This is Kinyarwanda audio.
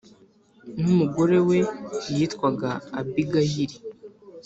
n’umugore we yitwaga Abigayili.